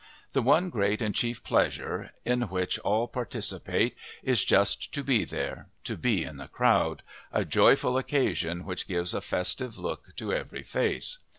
The one great and chief pleasure, in which all participate, is just to be there, to be in the crowd a joyful occasion which gives a festive look to every face.